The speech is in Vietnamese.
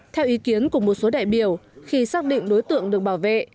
theo ý kiến của một số đại biểu khi xác định đối tượng được bảo vệ